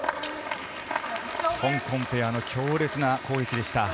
香港ペアの強烈な攻撃でした。